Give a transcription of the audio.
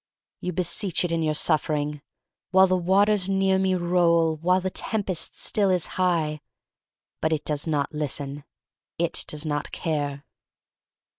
You beseech it in your suffering — While the waters near me roll, While the tempest still is high —" but it does not listen — it does not care.